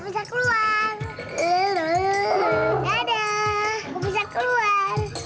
dadah aku bisa keluar